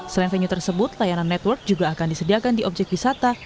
selain venue tersebut layanan network juga akan disediakan di objek wisata